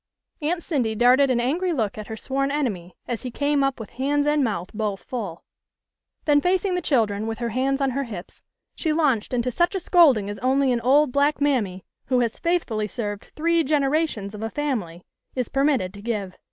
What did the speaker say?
Aunt Cindy darted an angry look at her sworn enemy, as he came up with hands and mouth both full. Then facing the children, with her hands on her hips, she launched into such a scolding as only an old black mammy, who has faithfully served three generations of a family, is permitted to give.